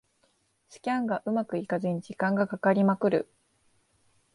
スキャンがうまくいかずに時間がかかりまくる